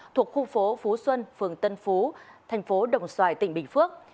thuộc khu phố phú xuân phường tân phú thành phố đồng xoài tỉnh bình phước